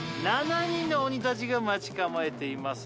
７人の鬼たちが待ち構えています